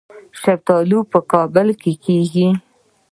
شفتالو په کابل کې کیږي